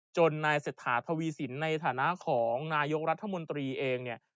นายเศรษฐาทวีสินในฐานะของนายกรัฐมนตรีเองเนี่ย